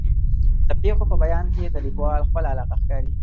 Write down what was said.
د پېښو په بیان کې د لیکوال خپله علاقه ښکاري.